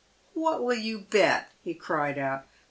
" What will you bet ?" he cried out.